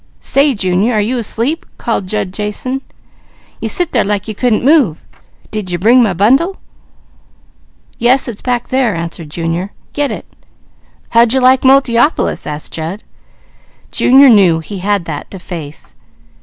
"Say Junior are you asleep?" called Jud Jason. "You sit there like you couldn't move. D'ye bring my bundle?" "Yes, it's back there," answered Junior. "Get it!" "How'd you like Multiopolis?" asked Jud. Junior knew he had that to face.